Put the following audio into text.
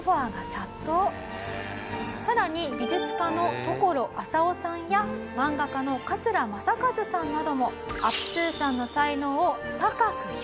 さらに美術家の野老朝雄さんや漫画家の桂正和さんなどもアプスーさんの才能を高く評価。